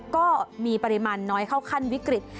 ก็มีปริมาณน้อยเข้าขั้นวิกฤต